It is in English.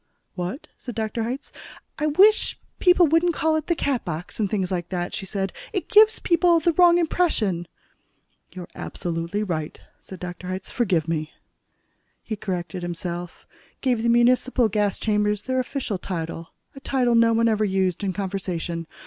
"What?" said Dr. Hitz. "I wish people wouldn't call it 'the Catbox,' and things like that," she said. "It gives people the wrong impression." "You're absolutely right," said Dr. Hitz. "Forgive me." He corrected himself, gave the municipal gas chambers their official title, a title no one ever used in conversation.